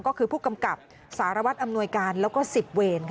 ก็คือผู้กำกับสารวัตรอำนวยการแล้วก็๑๐เวร